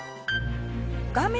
画面